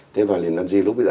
thế và lìn văn di lúc bây giờ